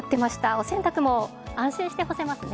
お洗濯も安心して干せますね。